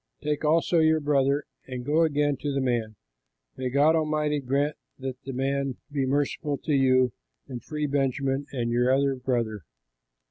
Take also your brother and go again to the man. May God Almighty grant that the man may be merciful to you and free Benjamin and your other brother.